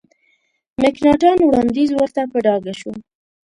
مکناټن وړاندیز ورته په ډاګه شو.